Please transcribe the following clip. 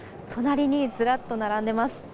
隣にずらっと並んでいます。